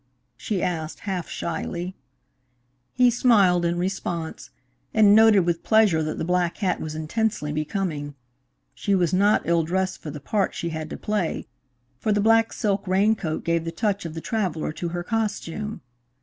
she asked half shyly. He smiled in response, and noted with pleasure that the black hat was intensely becoming. She was not ill dressed for the part she had to play, for the black silk rain coat gave the touch of the traveller to her costume.